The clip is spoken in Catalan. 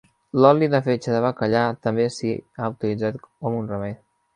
L'oli de fetge de bacallà també s'hi ha utilitzat com un remei.